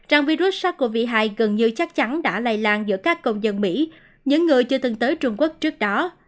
rằng virus sars cov hai gần như chắc chắn đã lây lan giữa các công dân mỹ những người chưa từng tới trung quốc trước đó